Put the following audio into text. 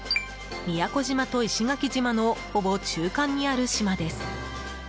宮古島と石垣島のほぼ中間にある島です。